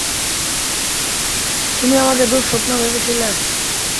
তুমি আমাকে দুঃস্বপ্ন ভেবেছিলে।